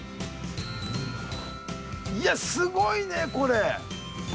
いやすごいねこれ。